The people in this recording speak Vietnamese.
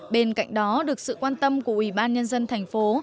bên cạnh đó được sự quan tâm của ủy ban nhân dân thành phố